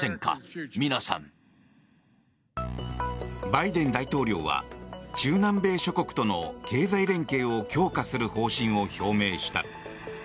バイデン大統領は中南米諸国との経済連携を強化する方針を表明した。